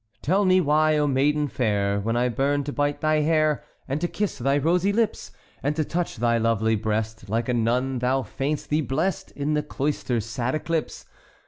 "Tell me why, O maiden fair, When I burn to bite thy hair, And to kiss thy rosy lips, And to touch thy lovely breast, Like a nun thou feign'st thee blest In the cloister's sad eclipse?